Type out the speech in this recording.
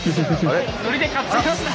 ノリで買っちゃいました！